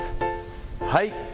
はい。